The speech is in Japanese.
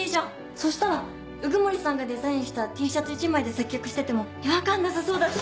そしたら鵜久森さんがデザインしたＴシャツ一枚で接客してても違和感なさそうだし。